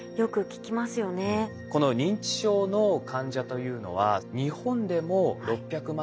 この認知症の患者というのは日本でも６００万人